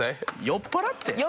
酔っ払ってね。